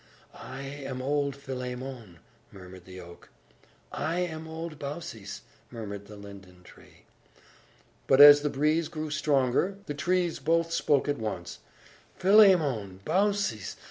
"I am old Philemon!" murmured the oak. "I am old Baucis!" murmured the linden tree. But, as the breeze grew stronger, the trees both spoke at once "Philemon! Baucis!